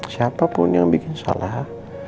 siapapun yang bikin salah